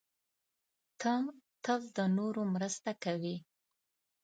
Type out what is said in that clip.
ته تل د نورو سره مرسته کوې.